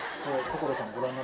所さんに。